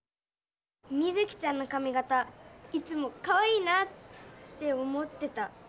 ミズキちゃんのかみ形いつもかわいいなって思ってた。